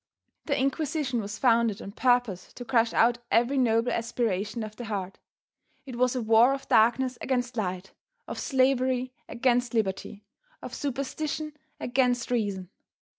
The Inquisition was founded on purpose to crush out every noble aspiration of the heart. It was a war of darkness against light, of slavery against liberty, of superstition against reason.